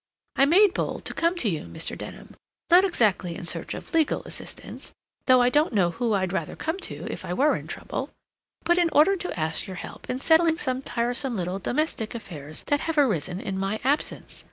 I made bold to come to you, Mr. Denham, not exactly in search of legal assistance (though I don't know who I'd rather come to, if I were in trouble), but in order to ask your help in settling some tiresome little domestic affairs that have arisen in my absence.